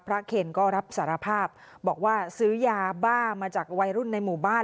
เคนก็รับสารภาพบอกว่าซื้อยาบ้ามาจากวัยรุ่นในหมู่บ้าน